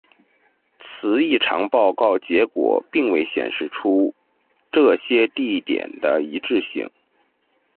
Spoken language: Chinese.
磁异常报告结果并未显示出这些地点的一致性。